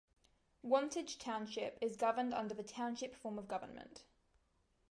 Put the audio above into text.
Wantage Township is governed under the Township form of government.